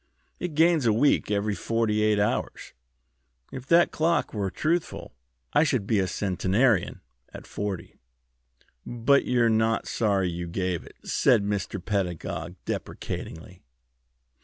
It gains a week every forty eight hours. If that clock were truthful, I should be a centenarian at forty." "But you're not sorry you gave it?" said Mr. Pedagog, deprecatingly.